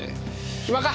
暇か？